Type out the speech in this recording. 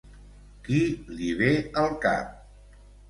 Qui li ve al cap?